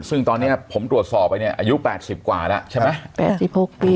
ซึ่งตอนเนี้ยผมตรวจสอบไปเนี้ยอายุแปดสิบกว่าแล้วใช่ไหมแปดสิบหกปี